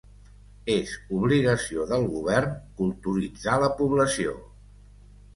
És obligació del govern culturitzar la població.